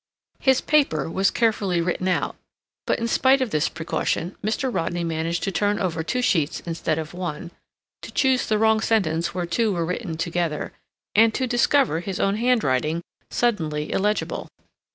His paper was carefully written out, but in spite of this precaution Mr. Rodney managed to turn over two sheets instead of one, to choose the wrong sentence where two were written together, and to discover his own handwriting suddenly illegible.